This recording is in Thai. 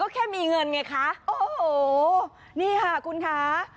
แค่มีเงินไงคะโอ้โหนี่ค่ะคุณคะ